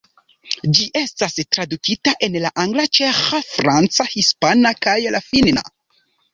Ĝi estas tradukita en la angla, ĉeĥa, franca, hispana, kaj la finna.